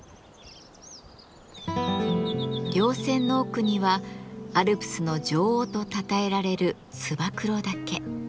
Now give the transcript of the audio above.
稜線の奥にはアルプスの女王とたたえられる燕岳。